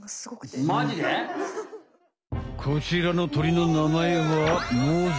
こちらの鳥の名前はモズ。